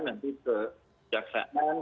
nanti ke jaksaan